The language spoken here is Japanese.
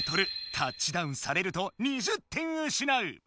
タッチダウンされると２０点うしなう！